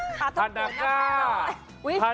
ธนาคาธนามิไม่ใช่